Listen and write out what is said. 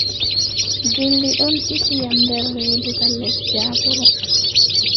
Gilɗi ɗon ɗisi yam nder reedu gal les jaabuuru.